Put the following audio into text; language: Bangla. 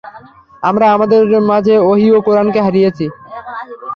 আমরা আমাদের মাঝে ওহী ও কুরআনকে হারিয়েছি।